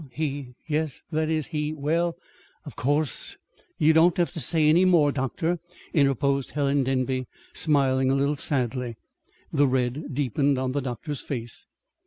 "Well, he yes that is, he well, of course " "You don't have to say any more, doctor," interposed Helen Denby, smiling a little sadly. The red deepened on the doctor's face.